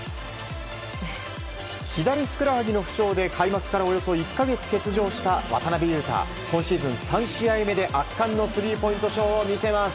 左ふくらはぎの負傷で開幕からおよそ１か月欠場した渡邊雄太、今シーズン３試合目で圧巻のスリーポイントショーを見せます。